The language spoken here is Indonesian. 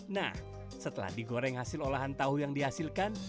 nah setelah digoreng hasil olahan tahu yang dihasilkan